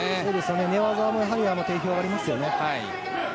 寝技も定評ありますよね。